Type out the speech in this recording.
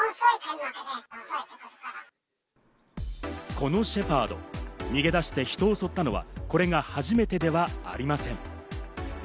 このシェパード、逃げ出して人を襲ったのはこれが初めてではありません。